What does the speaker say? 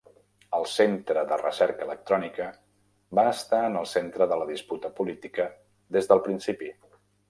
El Centre de Recerca Electrònica va estar en el centre de la disputa política des del principi.